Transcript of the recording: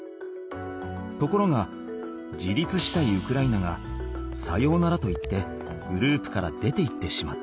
ところが自立したいウクライナが「さようなら」と言ってグループから出ていってしまった。